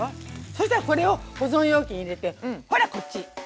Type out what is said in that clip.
そしたらこれを保存容器に入れてほらこっち！